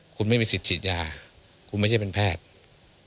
คุณไม่มีสิทธิฉีดยาคุณไม่ใช่เป็นแพทย์